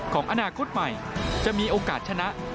ของอนาคตใหม่จะมีโอกาสชนะ